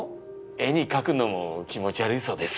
絵に描くのも気持ち悪いそうです。